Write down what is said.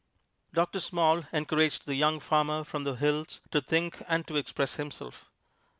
Doctor Small encouraged the young farmer from the hills to think and to express himself.